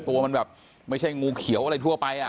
ตัวมันแบบไม่ใช่งูเขียวอะไรทั่วไป